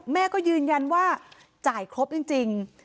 แม่ก็ยืนยันว่าจ่ายครบจริง